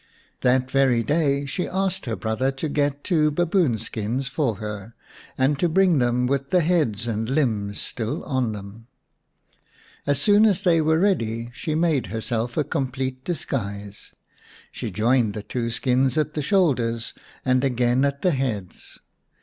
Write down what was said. That very day she asked her brother to get two baboon skins for her, and to bring them with the heads and limbs still on them. As soon as they were ready she made herself a complete disguise. She joined the two skins at the shoulders and again at the heads.